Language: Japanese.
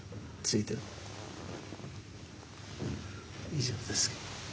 以上です。